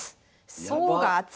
層が厚い！